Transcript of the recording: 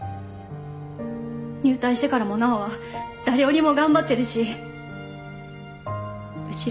入隊してからも奈央は誰よりも頑張ってるしうち